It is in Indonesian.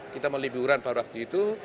kita mau liburan pada waktu itu